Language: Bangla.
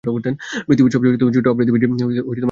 পৃথিবীর সবচেয়ে ছোট আবৃতবীজী উদ্ভিদ কোনটি?